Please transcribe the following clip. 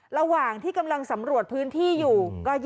ระหว่างที่กำลังสำรวจพื้นที่อยู่